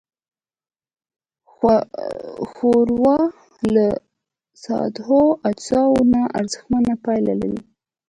ښوروا له سادهو اجزاوو نه ارزښتمنه پايله لري.